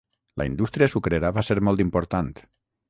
La indústria sucrera va ser molt important.